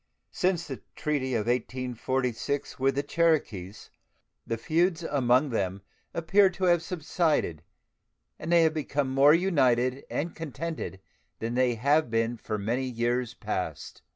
Since the treaty of 1846 with the Cherokees the feuds among them appear to have subsided, and they have become more united and contented than they have been for many years past.